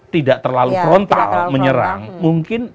tidak terlalu frontal menyerang